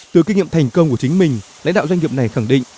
từ kinh nghiệm thành công của chính mình lãnh đạo doanh nghiệp này khẳng định